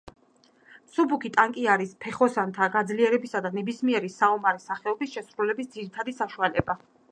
მსუბუქი ტანკი არის ფეხოსანთა გაძლიერებისა და ნებისმიერი საომარი სახეობების შესრულების ძირითადი საშუალება.